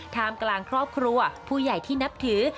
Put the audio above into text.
กลางครอบครัวผู้ใหญ่ที่นับถือ